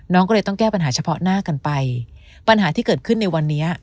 น้องก็เลยต้องแก้ปัญหาเฉพาะหน้ากันไปปัญหาที่เกิดขึ้นในวันนี้